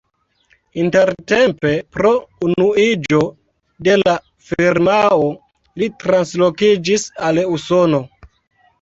Intertempe pro unuiĝo de la firmao li translokiĝis al Usono.